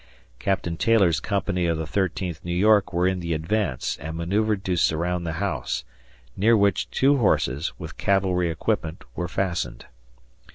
Captain Taylor's Company of the 13th New York were in the advance, and manoeuvered to surround the house, near which two horses, with cavalry equipment were fastened.